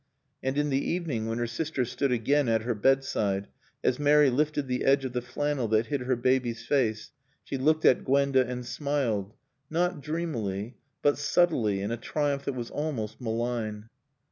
And in the evening, when her sister stood again at her bedside, as Mary lifted the edge of the flannel that hid her baby's face, she looked at Gwenda and smiled, not dreamily but subtly in a triumph that was almost malign.